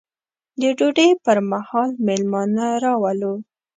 د ډوډۍ پر مهال مېلمانه راولو.